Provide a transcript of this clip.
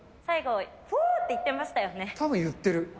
最後、ふぉーって言ってましたぶん言ってる。